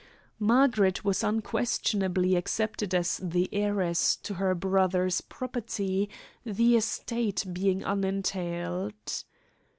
Margaret was unquestionably accepted as the heiress to her brother's property, the estate being unentailed.